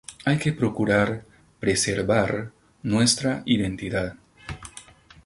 Hay que procurar preservar nuestra identidad